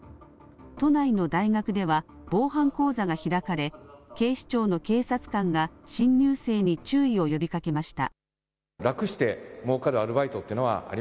都内の大学では防犯講座が開かれ警視庁の警察官が新入生に注意を呼びかけました。